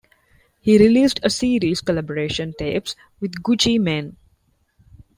He released a series collaboration tapes with Gucci Mane.